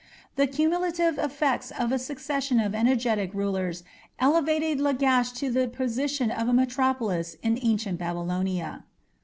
The cumulative efforts of a succession of energetic rulers elevated Lagash to the position of a metropolis in Ancient Babylonia.